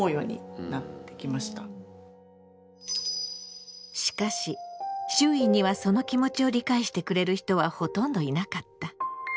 あっしかし周囲にはその気持ちを理解してくれる人はほとんどいなかった。